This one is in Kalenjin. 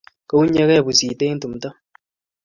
Ko unygei pusit eng tumdo